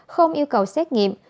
không yêu cầu xét nghiệm